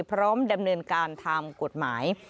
พร้อมดำเนินการทางกฎหมาย